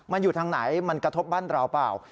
มันอยู่ทางไหนมันกระทบบ้านเราเปล่า